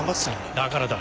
だからだ。